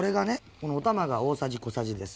このおたまが大さじ小さじです。